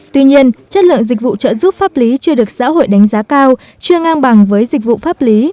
tuy nhiên chất lượng dịch vụ trợ giúp pháp lý chưa được xã hội đánh giá cao chưa ngang bằng với dịch vụ pháp lý